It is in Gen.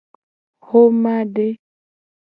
Xomade.